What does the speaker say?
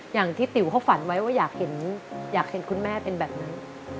อย่างที่ติ๋วเขาฝันไว้ว่าอยากเห็นคุณแม่เป็นแบบนั้น